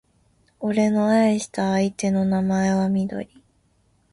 俺の愛した相手の名前はみどり